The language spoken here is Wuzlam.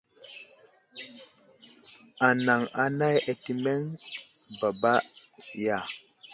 Anaŋ anay atəmeŋ baba baka ya ?